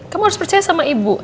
kamu harus percaya sama ibu